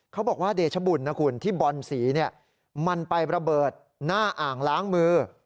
เขาบอกว่าเดชบุญนะคุณที่บอนสีมันไประเบิดหน้าอ่างล้างมือ